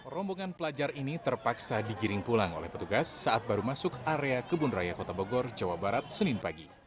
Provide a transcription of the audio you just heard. rombongan pelajar ini terpaksa digiring pulang oleh petugas saat baru masuk area kebun raya kota bogor jawa barat senin pagi